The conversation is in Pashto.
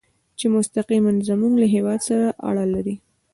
چې مستقیماً زموږ له هېواد سره اړه لري.